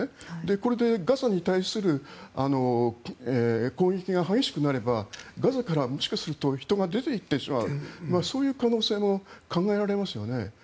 これでガザに対する攻撃が激しくなればガザからもしかすると人が出ていってしまうそういう可能性も考えられますよね。